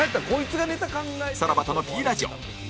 さらばとの Ｐ ラジオ